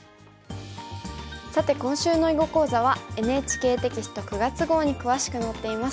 さて今週の囲碁講座はＮＨＫテキスト９月号に詳しく載っています。